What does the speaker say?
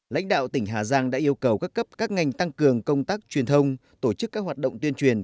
lãnh đạo tỉnh hà giang đã yêu cầu các cấp các ngành tăng cường công tác truyền thông tổ chức các hoạt động tuyên truyền